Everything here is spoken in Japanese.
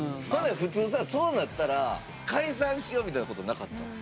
ほんなら普通さそうなったら「解散しよ」みたいなことなかった？